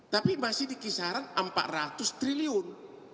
tapi masih di kisaran empat ratus triliun